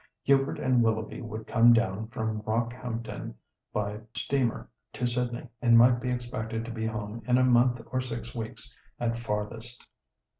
Hubert and Willoughby would come down from Rockhampton by steamer to Sydney, and might be expected to be home in a month or six weeks at farthest.